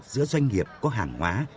giữa doanh nghiệp có hàng hóa